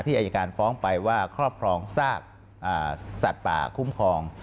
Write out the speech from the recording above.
อายการฟ้องไปว่าครอบครองซากสัตว์ป่าคุ้มครอง